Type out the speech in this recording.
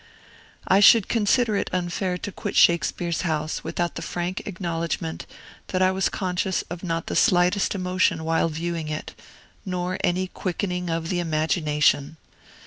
I should consider it unfair to quit Shakespeare's house without the frank acknowledgment that I was conscious of not the slightest emotion while viewing it, nor any quickening of the imagination.